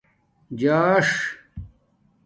جاݽ